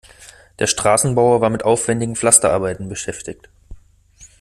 Der Straßenbauer war mit aufwendigen Pflasterarbeiten beschäftigt.